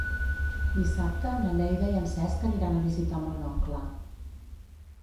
Dissabte na Neida i en Cesc aniran a visitar mon oncle.